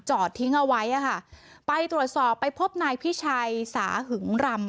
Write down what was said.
ทิ้งเอาไว้อ่ะค่ะไปตรวจสอบไปพบนายพิชัยสาหึงรำ